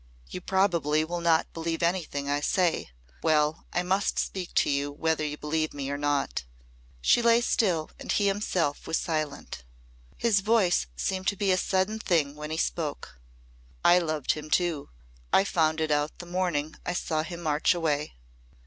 "You probably will not believe anything I say. Well I must speak to you whether you believe me or not." She lay still and he himself was silent. His voice seemed to be a sudden thing when he spoke. "I loved him too. I found it out the morning I saw him march away."